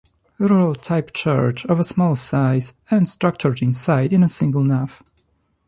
Rural type church of a small size, and structured inside in a single nave.